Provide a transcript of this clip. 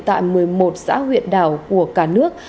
tại một mươi một xã huyện đảo của cả nước